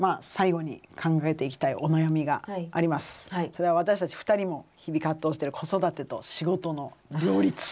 それは私たち２人も日々葛藤してる子育てと仕事の両立。